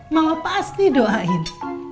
mau lepas nih doain